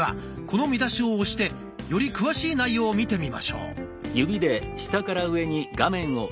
この見出しを押してより詳しい内容を見てみましょう。